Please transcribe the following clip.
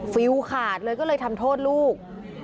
ฟิลขาดเลยก็เลยทำโทษลูก